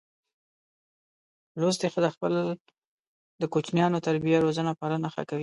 لوستي ښځه خپل د کوچینیانو تربیه روزنه پالنه ښه کوي.